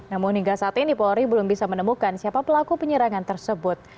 namun hingga saat ini polri belum bisa menemukan siapa pelaku penyerangan tersebut